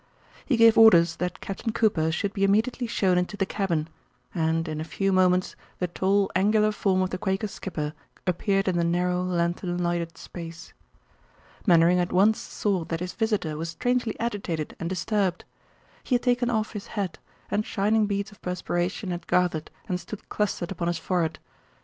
He gave orders that Captain Cooper should be immediately shown into the cabin, and in a few moments the tall, angular form of the Quaker skipper appeared in the narrow, lanthorn lighted space. Mainwaring at once saw that his visitor was strangely agitated and disturbed. He had taken off his hat, and shining beads of perspiration had gathered and stood clustered upon his forehead.